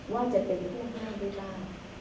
ว่าจะเป็นผู้หญิงหรือเปล่า